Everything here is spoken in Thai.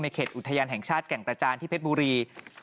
เขตอุทยานแห่งชาติแก่งกระจานที่เพชรบุรี